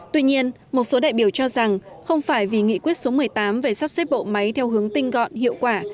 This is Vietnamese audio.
tuy nhiên một số đại biểu cho rằng không phải vì nghị quyết số một mươi tám về sắp xếp bộ máy theo hướng tinh gọn hiệu quả